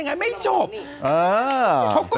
สิ่งดีดีก็จบเข้ามา